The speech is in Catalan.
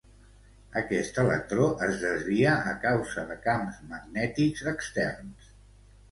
Aquest electró es desvia a causa de camps magnètics externs.